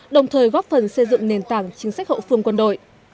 đồng thời góp phần xây dựng nền tảng chính sách hậu phương quân đội